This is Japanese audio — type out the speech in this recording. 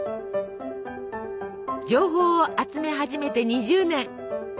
情報を集め始めて２０年。